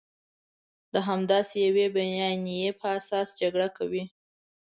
د همداسې یوې بیانیې په اساس جګړه کوي.